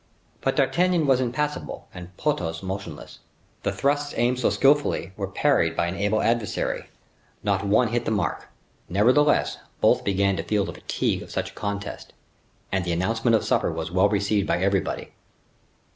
But D'Artagnan was impassible and Porthos motionless; the thrusts aimed so skillfully were parried by an able adversary; not one hit the mark. Nevertheless, both began to feel the fatigue of such a contest, and the announcement of supper was well received by everybody.